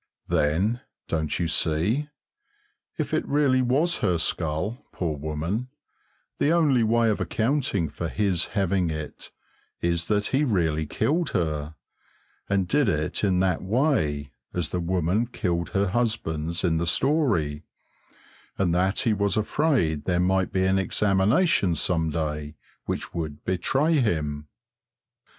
Then, don't you see? if it really was her skull, poor woman, the only way of accounting for his having it is that he really killed her, and did it in that way, as the woman killed her husbands in the story, and that he was afraid there might be an examination some day which would betray him.